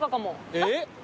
えっ！